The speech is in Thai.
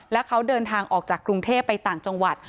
แล้วเขาเดินทางออกจากกรุงเทพไปต่างจังหวัด